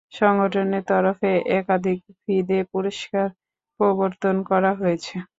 সংগঠনের তরফে একাধিক ফিদে পুরস্কার প্রবর্তন করা হয়েছে।